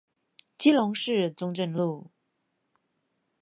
基隆市中正路